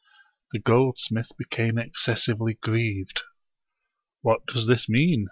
The goldsmith became excessively grieved. " What does this mean ?